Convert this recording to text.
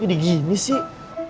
ini digini sih